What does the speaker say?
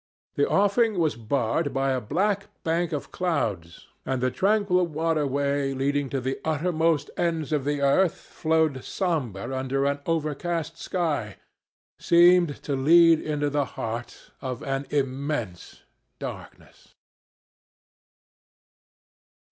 The offing was barred by a black bank of clouds, and the tranquil waterway leading to the uttermost ends of the earth flowed somber under an overcast sky seemed to lead into the heart of an immense darkness.